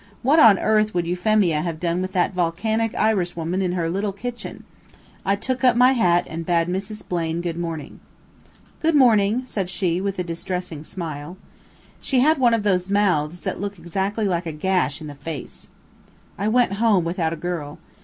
What on earth would Euphemia have done with that volcanic Irishwoman in her little kitchen! I took up my hat and bade Mrs. Blaine good morning. "Good morning," said she, with a distressing smile. She had one of those mouths that look exactly like a gash in the face. I went home without a girl.